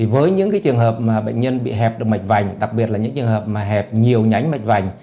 với những trường hợp mà bệnh nhân bị hẹp được mạch vành đặc biệt là những trường hợp mà hẹp nhiều nhánh mạch vành